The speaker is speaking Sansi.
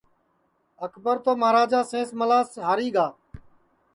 اکبر تو مہاراجا سینس ملاس ہاری گا